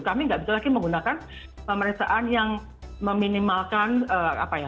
kami nggak bisa lagi menggunakan pemeriksaan yang meminimalkan apa ya